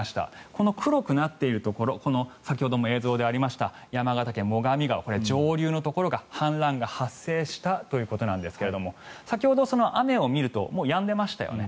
この黒くなっているところ先ほども映像でありました山形県・最上川これ、上流のところが氾濫が発生したということですが先ほど雨を見るともうやんでいましたよね。